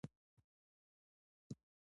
د خصوصي پوهنتونونو فیس لوړ دی؟